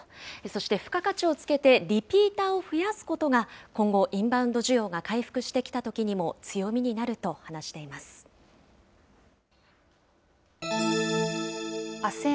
そして付加価値をつけてリピーターを増やすことが、今後、インバウンド需要が回復してきたときにも強みになると話しています。